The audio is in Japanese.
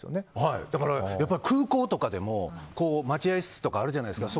だから空港とかでも待合室とかあるじゃないですか。